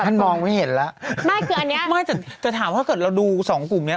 โอ้โฮท่านมองไม่เห็นแล้วไม่คืออันนี้แต่ถามถ้าเกิดเราดูสองกลุ่มนี้